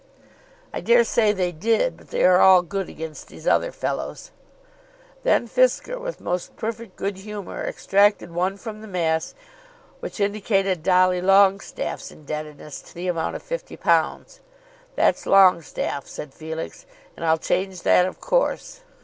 "I dare say they did, but they are all good against these other fellows." Then Fisker, with most perfect good humour, extracted one from the mass which indicated Dolly Longestaffe's indebtedness to the amount of £50. "That's Longestaffe," said Felix, "and I'll change that of course."